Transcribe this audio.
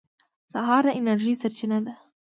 سهار د انرژۍ سرچینه ده.